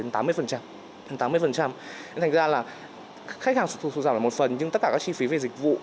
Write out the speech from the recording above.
thành ra là khách hàng tụt giảm là một phần nhưng tất cả các chi phí về dịch vụ